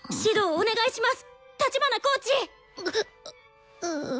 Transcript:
お願いします。